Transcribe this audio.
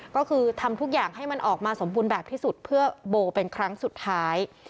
ก็คือทำทุกอย่างให้มันออกมาสมบูรณ์แบบที่สุดเพื่อโบเป็นครั้งสุดท้าย